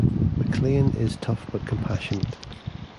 McClain is tough but compassionate.